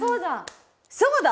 そうだ。